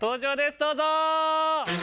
どうぞ！